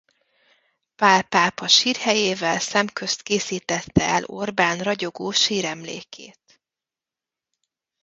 Pál pápa sírhelyével szemközt készítette el Orbán ragyogó síremlékét.